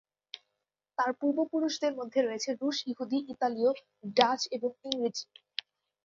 তার পূর্বপুরুষদের মধ্যে রয়েছে রুশ-ইহুদি, ইতালীয়, ডাচ এবং ইংরেজি।